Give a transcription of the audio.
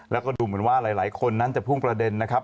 แล้วก็ดูเหมือนว่าหลายคนนั้นจะพุ่งประเด็นนะครับ